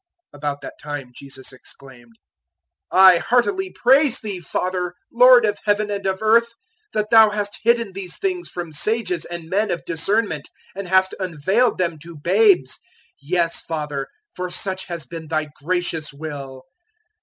011:025 About that time Jesus exclaimed, "I heartily praise Thee, Father, Lord of Heaven and of earth, that Thou hast hidden these things from sages and men of discernment, and hast unveiled them to babes. 011:026 Yes, Father, for such has been Thy gracious will.